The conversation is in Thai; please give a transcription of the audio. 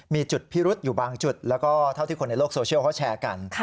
มีจุดพิรุษอยู่บางจุดแล้วก็เท่าที่คนในโลกโซเชียลเขาแชร์กัน